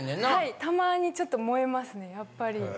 はいたまにちょっと燃えますねやっぱり。